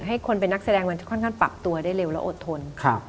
ให้คนเป็นนักแสดงมันค่อนข้างปรับตัวได้เร็วและอดทน